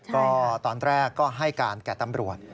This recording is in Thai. ก็ตอนแรกก็ให้การแก่ตำรวจ